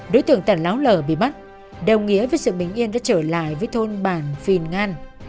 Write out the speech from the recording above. đối tượng tần láo lở bị bắt đồng nghĩa với sự bình yên đã trở lại với thôn bản phi ngan